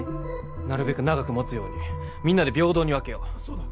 なるべく長くもつようにみんなで平等に分けよう・そうだ